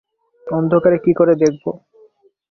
অন্ধকারে কি করে দেখব?